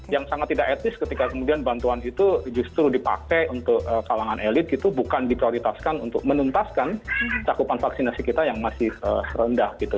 yang sangat tidak etis ketika kemudian bantuan itu justru dipakai untuk kalangan elit gitu bukan diprioritaskan untuk menuntaskan cakupan vaksinasi kita yang masih rendah gitu